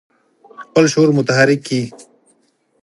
خپل شعور متحرک کړي.